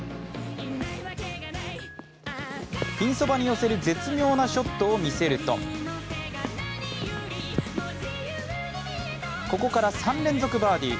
ピンそばに寄せる絶妙なショットを見せるとここから３連続バーディー。